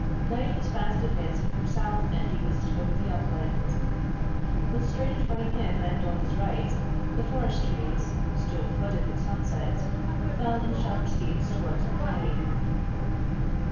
Night was fast advancing from south and east over the upland. But straight in front of him and on his right, the forest trees, still flooded with sunset, fell in sharp steeps towards the plain.